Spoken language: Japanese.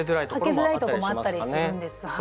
かけづらいとこもあったりするんです。